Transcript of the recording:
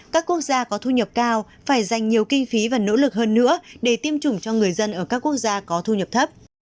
các quốc gia có thu nhập cao phải dành nhiều kinh phí và nỗ lực hơn nữa để tiêm chủng cho người dân ở các quốc gia có thu nhập thấp